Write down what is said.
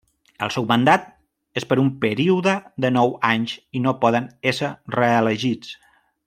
El seu mandat és per un període de nou anys, i no poden ésser reelegits.